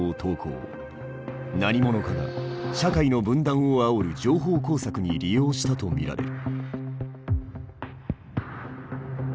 何者かが社会の分断をあおる情報工作に利用したと見られる。